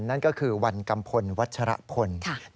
นั่นก็คือวันกัมพลวัชรพล